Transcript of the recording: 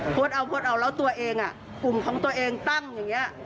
โพสต์เอาโพสต์เอาแล้วตัวเองกลุ่มของตัวเองตั้งอย่างนี้